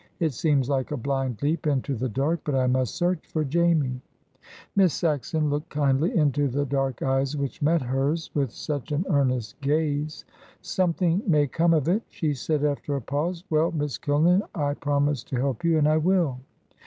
It seems like a blind leap into the dark, but I must search for Jamie." Miss Saxon looked kindly into the dark eyes which met hers with such an earnest gaze. "Something may come of it," she said after a pause. "Well, Miss Kilner, I promised to help you, and I will."